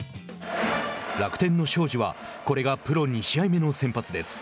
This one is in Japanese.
楽天の荘司はこれがプロ２試合目の先発です。